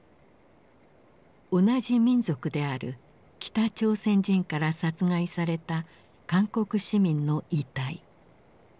同じ民族である北朝鮮人から殺害された韓国市民の遺体。